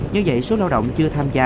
như vậy số lao động chưa tham gia